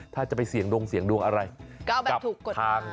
ถ้าจะไปเสี่ยงดวงอะไรก็ไปถูกกฎรภาค